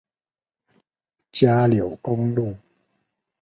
嘉柳公路